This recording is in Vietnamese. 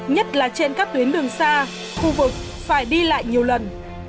nhất là trên các tuyến đường xa khu vực phải đi lại nhiều lần